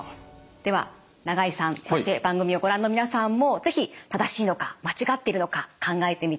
では永井さんそして番組をご覧の皆さんも是非正しいのか間違っているのか考えてみてください。